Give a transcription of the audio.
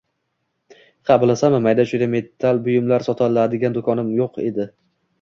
Ha, bilasanmi, mayda-chuyda metall buyumlar sotiladigan do`konim endi yo`q